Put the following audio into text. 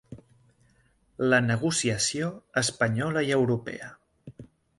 La negociació espanyola i europea.